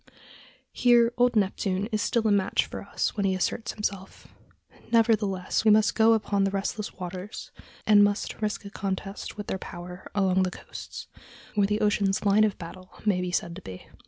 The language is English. Here Old Neptune is still a match for us when he asserts himself. Nevertheless, we must go upon the restless waters, and must risk a contest with their power along the coasts, where the ocean's line of battle may be said to be.